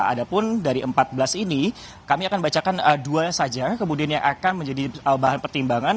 ada pun dari empat belas ini kami akan bacakan dua saja kemudian yang akan menjadi bahan pertimbangan